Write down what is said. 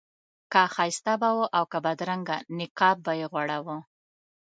که ښایسته به و او که بدرنګه نقاب به یې غوړاوه.